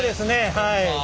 はい。